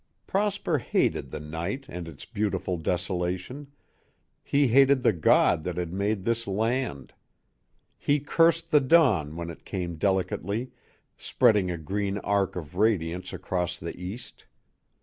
Prosper hated the night and its beautiful desolation, he hated the God that had made this land. He cursed the dawn when it came delicately, spreading a green arc of radiance across the east.